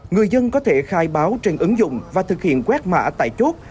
người dân có thể khai báo trên ứng dụng và thực hiện quét mã tại chốt